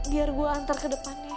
biar gue antar ke depannya